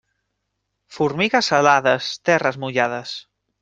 Formigues alades, terres mullades.